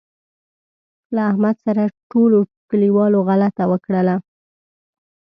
له احمد سره ټولوکلیوالو غلطه وکړله.